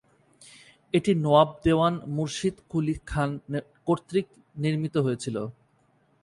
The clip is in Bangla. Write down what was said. এটি নওয়াব দেওয়ান মুর্শিদ কুলি খান কর্তৃক নির্মিত হয়েছিল।